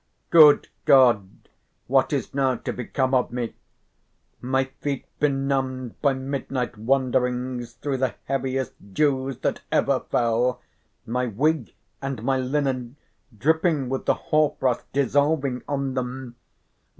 "Good God! "What is now to become of me? "My feet benumbed by midnight wanderings through the heaviest dews that ever fell; my wig and my linen dripping with the hoarfrost dissolving on them!